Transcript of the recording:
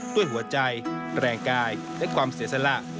ด้วยหัวใจแรงกายและความเสียสละ